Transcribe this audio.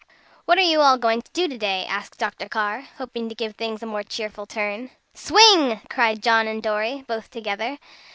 "What are you all going to do to day?" asked Dr. Carr, hoping to give things a more cheerful turn. "Swing!" cried John and Dorry both together.